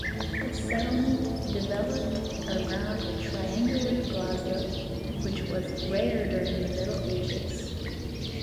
The settlement developed around a triangular plaza, which was rare during the Middle Ages.